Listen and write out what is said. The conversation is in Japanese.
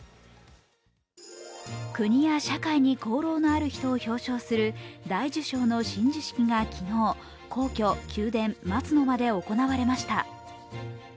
国や社会に功労のある人を表彰する大綬章の親授式が昨日皇居・宮殿松の間で行われました。